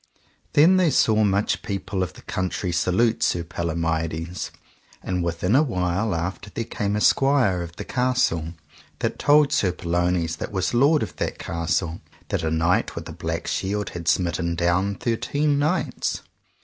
Then they saw much people of the country salute Sir Palomides. And within a while after there came a squire of the castle, that told Sir Pellounes that was lord of that castle, that a knight with a black shield had smitten down thirteen knights.